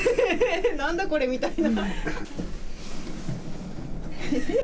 何だこれ？みたいな。